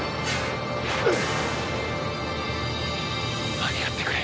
間に合ってくれ。